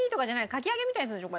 かき揚げみたいにするんでしょ？